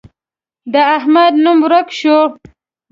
د احمد نوم ورک شو.